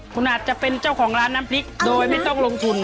คุณอาจจะเป็นเจ้าของร้านน้ำพริกโดยไม่ต้องลงทุน